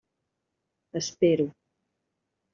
Espero.